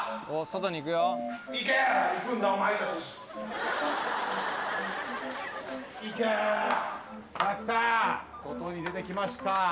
外に出てきました